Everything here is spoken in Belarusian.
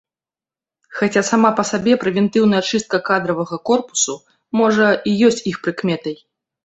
Хаця сама па сабе прэвентыўная чыстка кадравага корпусу, можа, і ёсць іх прыкметай.